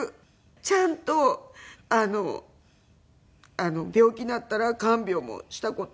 「ちゃんと病気になったら看病もした事」。